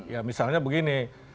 ya misalnya begini